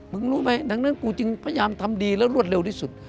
รู้ไหมดังนั้นกูจึงพยายามทำดีแล้วรวดเร็วที่สุด